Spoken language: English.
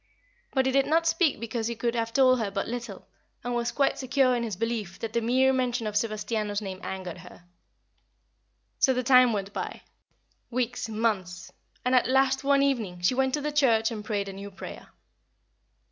But he did not speak because he could have told her but little, and was quite secure in his belief that the mere mention of Sebastiano's name angered her. So the time went by weeks and months and at last one evening she went to the church and prayed a new prayer.